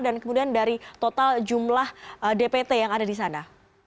dan kemudian dari total jumlah dpt yang ada di sana